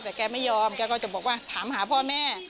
แต่แกไม่ยอมแกก็จะบอกว่าถามหาพ่อแม่